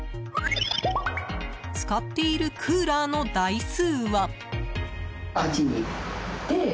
使っているクーラーの台数は。